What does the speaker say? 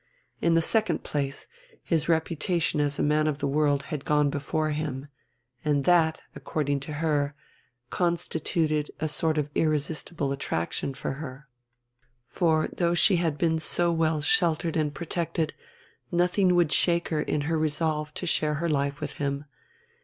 In the second place, his reputation as a man of the world had gone before him, and that, according to her, constituted a sort of irresistible attraction for her, for, though she had been so well sheltered and protected, nothing would shake her in her resolve to share her life with him.